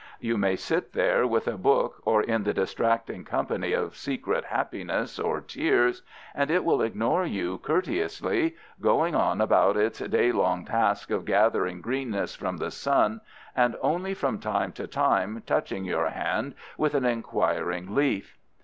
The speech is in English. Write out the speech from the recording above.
You may sit there with a book or in the distracting company of secret happiness or tears, and it will ignore you courteously, going on about its daylong task of gathering greenness from the sun, and only from time to time touching your hand with an inquiring leaf.